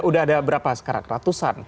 udah ada berapa sekarang ratusan